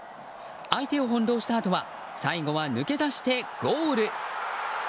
相手を翻弄したあとは最後は抜け出して、ゴール。